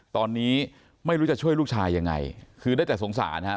ตอนนี้ไม่รู้จะช่วยลูกชายยังไงคือได้แต่สงสารฮะ